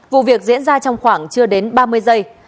vụ việc diễn ra trong khoảng chưa đến ba mươi giây